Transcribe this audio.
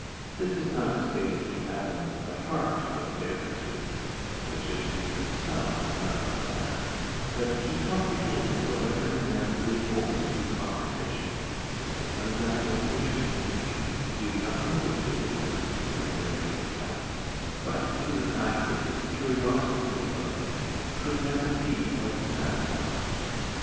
This is not to say that he fathomed the heart of their mystery; the gipsies themselves cannot do that: but he comprehended whatever in them is open to comprehension, and his undying interest in them is due not only to his sympathy with their way of life, but to the fact that his curiosity about them could never be quite satisfied.